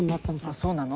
そうなの？